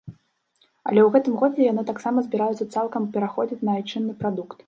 Але ў гэтым годзе яны таксама збіраюцца цалкам пераходзіць на айчынны прадукт.